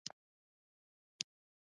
ایا ستاسو پیغام به ورسیږي؟